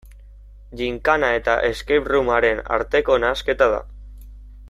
Ginkana eta escape room-aren arteko nahasketa da.